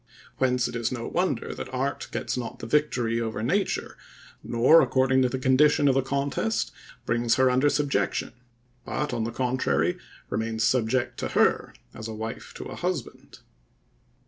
Whence it is no wonder that art gets not the victory over nature, nor, according to the condition of the contest, brings her under subjection; but, on the contrary, remains subject to her, as a wife to a husband.